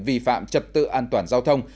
vi phạm trật tự an toàn giao thông